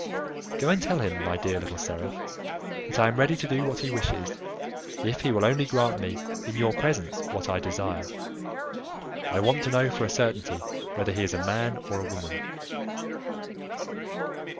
"Go and tell him, my dear little seraph, that I am ready to do what he wishes, if he will only grant me in your presence what I desire; I want to know for a certainty whether he is a man or a woman."